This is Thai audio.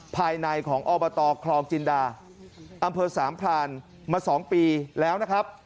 ภายในของอบตคลองจินดาอำเภอสามพรานมา๒ปีแล้วนะครับ